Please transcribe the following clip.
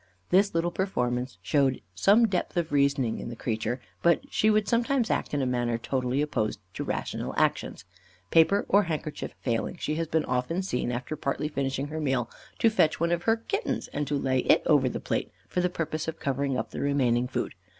This little performance showed some depth of reasoning in the creature, but she would sometimes act in a manner totally opposed to rational actions. Paper or handkerchief failing, she has been often seen, after partly finishing her meal, to fetch one of her kittens and to lay it over the plate for the purpose of covering up the remaining food.